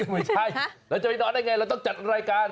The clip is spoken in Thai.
ไม่ใช่เราจะไปนอนได้ไงเราต้องจัดรายการ